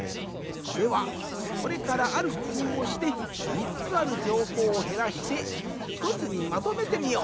ではこれからあるくふうをして３つある情報をへらして１つにまとめてみよう。